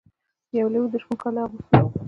یو لیوه د شپون کالي اغوستي وو.